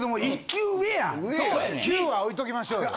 級は置いときましょうよ。